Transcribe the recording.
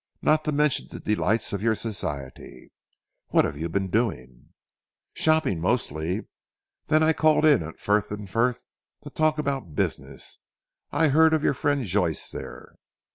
Not to mention the delights of your society. What have you been doing?" "Shopping mostly. Then I called in on Frith and Frith to talk about business. I heard of your friend Joyce there."